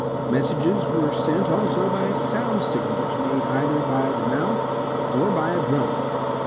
Messages were sent also by sound signals made either by the mouth or by a drum.